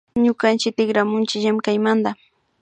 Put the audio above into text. Ñukanchik tikramunchi llamkaymanta